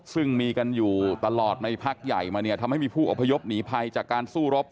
ซึ่งมีกันอยู่ตลอดในพักใหญ่มาทำให้มีผู้อุบายบหนีไพรจากการสู้รภ